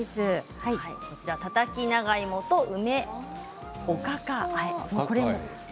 たたき長芋と梅おかかあえ。